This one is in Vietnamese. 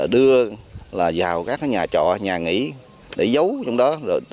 đưa vào các nhà trọ nhà nghỉ để giấu trong đó